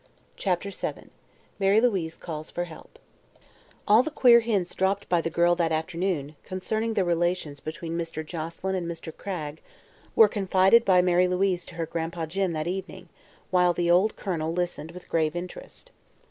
CHAPTER VII MARY LOUISE CALLS FOR HELP All the queer hints dropped by the girl that afternoon, concerning the relations between Mr. Joselyn and Mr. Cragg, were confided by Mary Louise to her Gran'pa Jim that evening, while the old Colonel listened with grave interest.